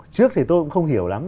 trước thì tôi cũng không hiểu lắm